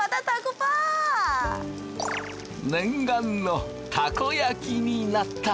念願のたこ焼きになった。